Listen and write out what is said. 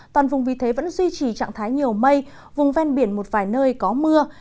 toàn vùng vì thế vẫn duy trì trạng thái nhiều mây vùng ven biển một vài nơi có mưa